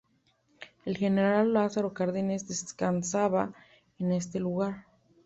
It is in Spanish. El general Lázaro Cárdenas descansaba en este lugar.